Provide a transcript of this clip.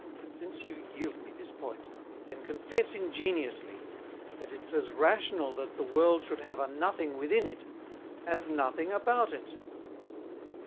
Since you yield me this point, then confess ingeniously, that it's as rational that the World should have a Nothing within it, as Nothing about it.